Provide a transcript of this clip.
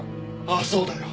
ああそうだよ！